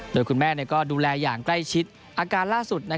โดยคุณแม่ก็ดูแลอย่างใกล้ชิด